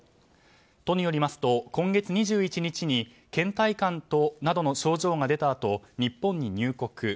都によりますと今月２１日に倦怠感などの症状が出たあと、日本に入国。